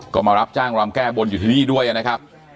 ก็มารับจ้างรำแก้บนอยู่ที่นี่ด้วยนะครับ